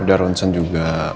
udah ronsen juga